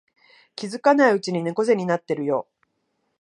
気づかないうちに猫背になってるよ